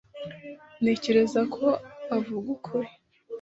Ntekereza ko avuga ukuri.